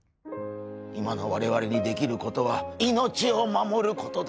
今の我々にできることは命を守ることだ